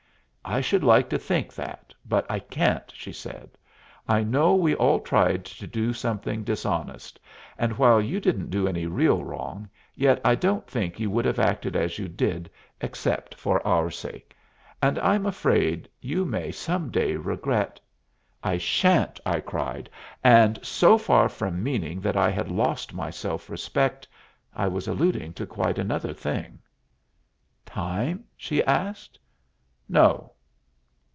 "I should like to think that, but I can't," she said. "I know we all tried to do something dishonest, and while you didn't do any real wrong, yet I don't think you would have acted as you did except for our sake. And I'm afraid you may some day regret " "I sha'n't," I cried; "and, so far from meaning that I had lost my self respect, I was alluding to quite another thing." "Time?" she asked. "No."